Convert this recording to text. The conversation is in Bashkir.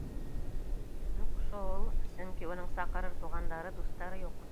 Юҡ шу-ул. Сөнки уның саҡырыр туғандары, дуҫтары юҡ.